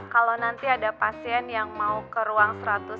kalau nanti ada pasien yang mau ke ruang satu ratus lima puluh